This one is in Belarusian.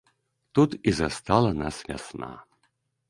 Тут і застала нас вясна.